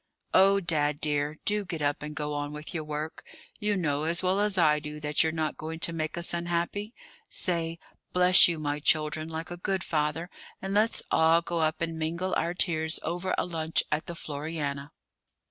Oh, dad dear, do get up and go on with your work! You know as well as I do that you're not going to make us unhappy? Say, 'Bless you, my children!' like a good father, and let's all go up and mingle our tears over a lunch at the Floriani."